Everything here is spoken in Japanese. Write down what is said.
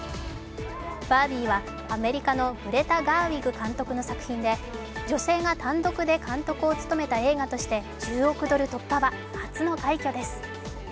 「バービー」はアメリカのグレタ・ガーウィグ監督の作品で女性が単独で監督を務めた映画として１０億ドル突破は初の快挙です。